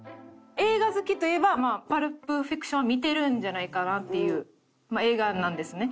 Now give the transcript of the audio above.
映画好きといえば『パルプ・フィクション』は見てるんじゃないかなっていう映画なんですね。